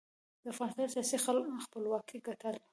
د افغانستان سیاسي خپلواکۍ ګټل.